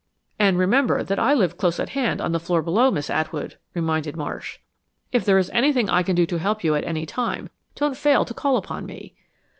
"And remember that I live close at hand, on the floor below, Miss Atwood," reminded Marsh. "If there is anything I can do to help you at any time, don't fail to call upon me."